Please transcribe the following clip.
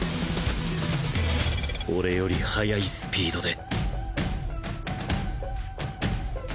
俺より速いスピードで